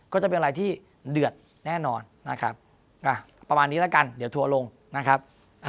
ก็จะเป็นอะไรที่เดือดแน่นอนนะครับประมาณนี้แล้วกันเดี๋ยวทัวร์ลงนะครับ